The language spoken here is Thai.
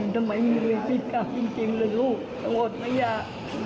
ทำไมมีวิธีกรรมจริงเลยลูกต้องอดมันอย่า